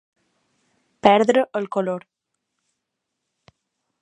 Perdre el color.